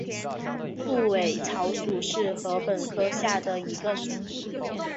束尾草属是禾本科下的一个属。